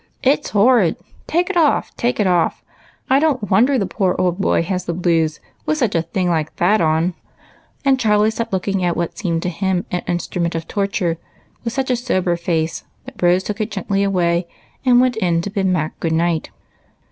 "It's horrid! Take it off, take it off! I don't wonder the poor old boy has the blues with a thing like that on ;" and Charlie sat looking at what seemed to him an instrument of torture, with such a sober face that Rose took it gently away, and went in to bid Mac good night.